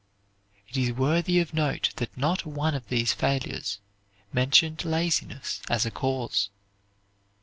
It is worthy of note that not one of these failures mentioned laziness as a cause.